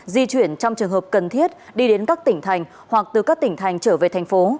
di chuyển trong trường hợp cần thiết đi đến các tỉnh thành hoặc từ các tỉnh thành trở về thành phố